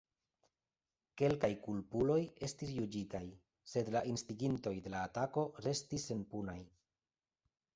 Kelkaj kulpuloj estis juĝitaj, sed la instigintoj de la atako restis senpunaj.